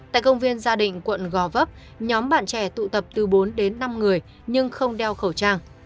tại công viên gia định quận gò vấp nhóm bạn trẻ tụ tập từ bốn đến năm người nhưng không đeo khẩu trang